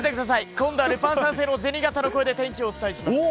今度はルパン三世の銭形の声で天気をお伝えします。